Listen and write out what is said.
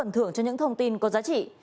thưởng cho những thông tin có giá trị